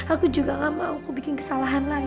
aku juga gak mau kau bikin kesalahan lagi